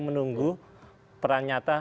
menunggu peran nyata